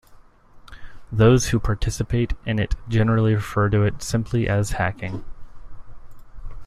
Those who participate in it generally refer to it simply as "hacking".